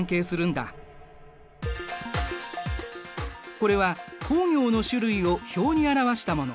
これは工業の種類を表に表したもの。